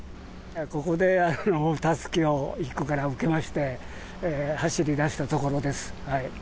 ここでたすきを１区から受けまして、走り出したところです。